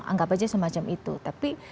anggap aja semacam itu tapi